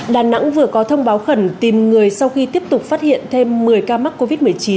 đà nẵng vừa có thông báo khẩn tìm người sau khi tiếp tục phát hiện thêm một mươi ca mắc covid một mươi chín